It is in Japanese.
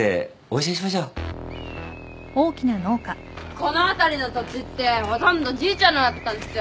この辺りの土地ってほとんどじいちゃんのだったんすよ。